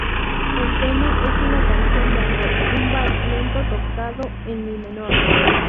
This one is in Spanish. El tema es una canción de amor, un vals lento tocado en mi menor.